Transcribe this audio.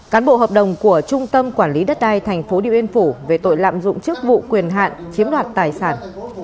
cán bộ hợp đồng của trung tâm quản lý đất đai tp điện biên phủ về tội lạm dụng chức vụ quyền hạn chiếm đoạt tài sản